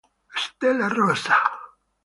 Stella rossa